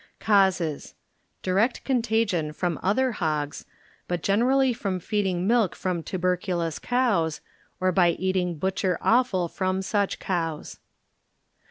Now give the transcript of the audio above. Causes, ŌĆö Direct contagion from other hi^s, but generally from feeding milk from tuberculous cows, or by eating butcher offal from such cows.